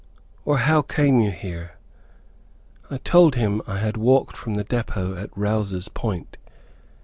or how came you here?" I told him I had walked from the depot at Rouse's Point.